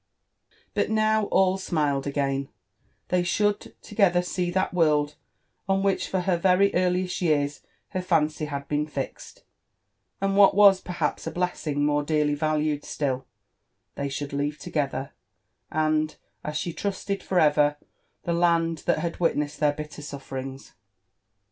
Bui ppvv all smiled agaio: they should together see that world op which > ffom her very earliest years, her fancy had been fiied ; and, what was perha[>s a blessing mora dear ly valued still, they should leave together, and, as she (rusted, for ^ver, the land that bad wilpesspd their bitter sulTerings.